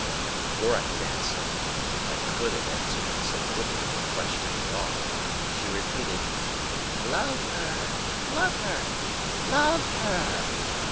Before I could answer (if I could have answered so difficult a question at all) she repeated, "Love her, love her, love her!